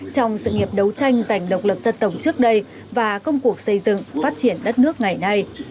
trong sự nghiệp đấu tranh giành độc lập dân tổng trước đây và công cuộc xây dựng phát triển đất nước ngày nay